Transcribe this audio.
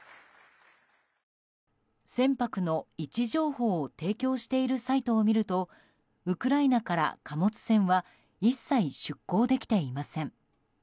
船舶の位置情報を提供しているサイトを見るとウクライナから貨物船は一切、出港できていません。